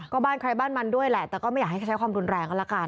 ก็บ้านใครบ้านมันด้วยแหละแต่ก็ไม่อยากให้ใช้ความรุนแรงกันละกัน